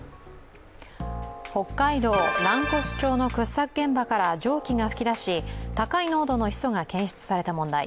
北海道蘭越町の掘削現場から蒸気が噴き出し高い濃度のヒ素が検出された問題。